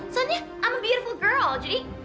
soalnya i'm a beautiful girl jadi cowok yang niketin gue